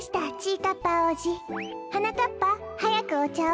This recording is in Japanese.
はなかっぱはやくおちゃを。